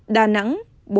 đà nẵng bốn